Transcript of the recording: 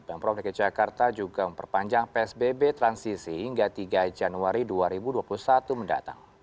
pemprov dki jakarta juga memperpanjang psbb transisi hingga tiga januari dua ribu dua puluh satu mendatang